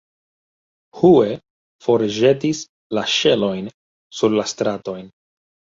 Hue forĵetis la ŝelojn sur la stratojn.